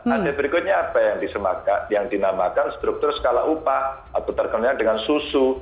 ada berikutnya apa yang dinamakan struktur skala upah atau terkenal dengan susu